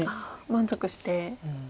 満足して。